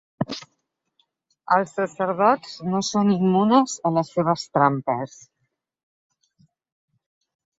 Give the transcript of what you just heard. Els sacerdots no són immunes a les seves trampes.